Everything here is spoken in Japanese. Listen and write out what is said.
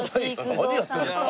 何やってるんですか？